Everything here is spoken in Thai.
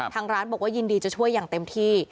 ทางร้านบอกว่ายินดีจะช่วยอย่างเต็มที่